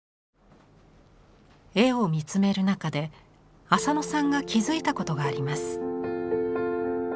絵を見つめる中で浅野さんが気付いたことがあります。